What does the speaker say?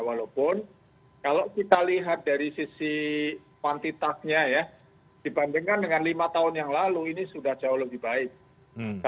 walaupun kalau kita lihat dari sisi kuantitasnya ya dibandingkan dengan lima tahun yang lalu ini sudah jauh lebih baik